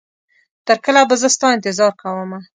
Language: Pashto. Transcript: تر کله به زه ستا انتظار کومه